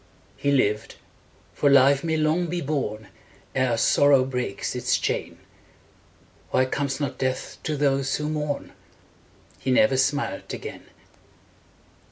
He lived, for life may long be borne Ere sorrow breaks its chain: Why comes not death to those who mourn? He never smiled again.